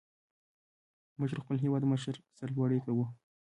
موږ پر خپل هېوادمشر سر لوړي کو.